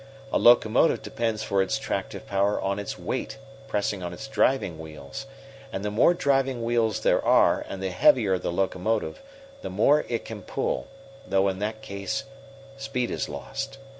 A locomotive depends for its tractive power on its weight pressing on its driving wheels, and the more driving wheels there are and the heavier the locomotive, the more it can pull, though in that case speed is lost.